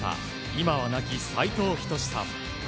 今は亡き、斉藤仁さん。